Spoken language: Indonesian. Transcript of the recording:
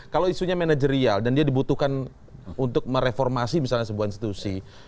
kalau isunya manajerial dan dia dibutuhkan untuk mereformasi misalnya sebuah institusi